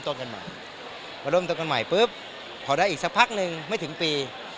เริ่มต้นกันใหม่เริ่มต้นกันใหม่พอได้อีกสักพักหนึ่งไม่ถึงปี